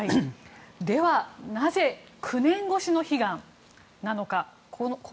ではなぜ９年越しの悲願なのか。